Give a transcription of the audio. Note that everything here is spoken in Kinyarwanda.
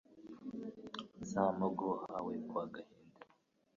Za Mpogo wahawe kwa Gahindiro,